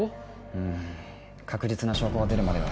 うん確実な証拠が出るまでは。